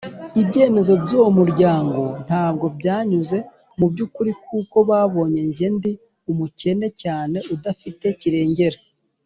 ibyemezo byuwo muryango ntabwo byanyuze mu byukuri kuko babonye jye ndi umukene cyane udafite kirengera